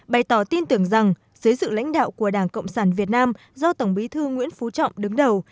bày tỏ tin tưởng rằng dưới sự lãnh đạo của đảng cộng sản việt nam do tổng bí thư nguyễn phú trọng đứng đầu